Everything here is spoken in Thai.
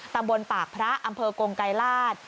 ตำบลปากพระอำเภอกงไกรราช